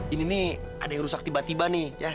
ini nih ada yang rusak tiba tiba nih